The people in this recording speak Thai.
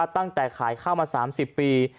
ตั้งแต่ขายข้าวมา๓๐ปี